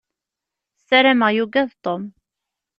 Ssarameɣ yugad Tom.